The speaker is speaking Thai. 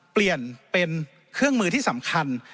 เปลี่ยนเป็นเครื่องมือที่สำคัญ